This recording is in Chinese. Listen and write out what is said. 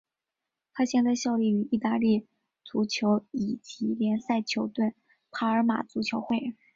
他现在效力于意大利足球乙级联赛球队帕尔马足球会。